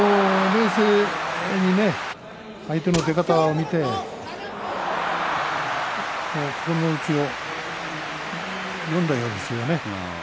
冷静に相手の出方を見て心の内を読んだようですよね。